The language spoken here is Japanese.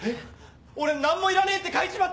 俺何もいらねえって書いちまったよ！